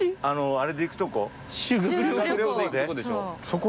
あれで行くとこ？